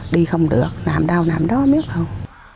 đi không được nằm đau nằm đó biết không